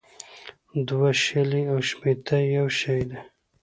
دوه شلې او ښپيته يو شٸ دى